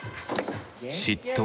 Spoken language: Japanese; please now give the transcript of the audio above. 「嫉妬」